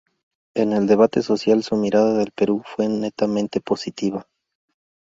En el debate social, su mirada del Perú fue netamente positiva.